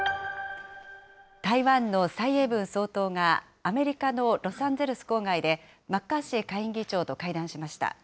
台湾の蔡英文総統が、アメリカのロサンゼルス郊外で、マッカーシー下院議長と会談しました。